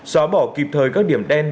xóa bỏ kịp thời các điểm đen